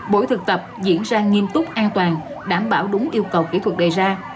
buổi thực tập diễn ra nghiêm túc an toàn đảm bảo đúng yêu cầu kỹ thuật đề ra